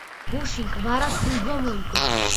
გუშინ კვარას გუნდმა მოიგო